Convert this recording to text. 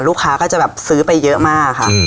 ลูกค้าก็จะแบบซื้อไปเยอะมากค่ะ